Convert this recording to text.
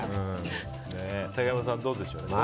竹山さん、どうでしょうか。